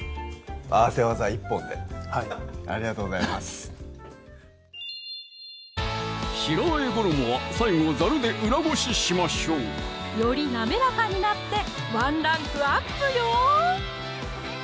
合わせ技一本ではいありがとうございます白和え衣は最後ザルで裏漉ししましょうよりなめらかになってワンランクアップよ！